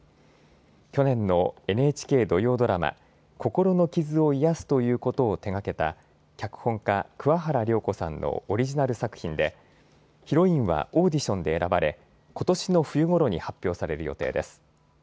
去年のＮＨＫ土曜ドラマ、心の傷を癒やすということを手がけた脚本家、桑原亮子さんのオリジナル作品でヒロインはオーディションで選ばれことしの冬ごろに発表される予定です。